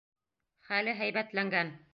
— Хәле һәйбәтләнгән.